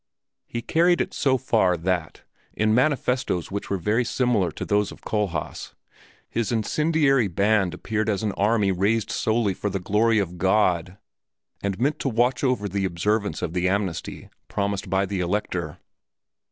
He carried it so far that, in manifestos which were very similar to those of Kohlhaas, his incendiary band appeared as an army raised solely for the glory of God and meant to watch over the observance of the amnesty promised by the Elector.